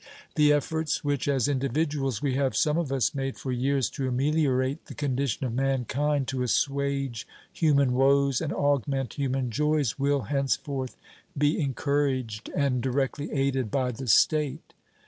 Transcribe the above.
The efforts which, as individuals, we have some of us made for years to ameliorate the condition of mankind, to assuage human woes and augment human joys, will henceforth be encouraged and directly aided by the State.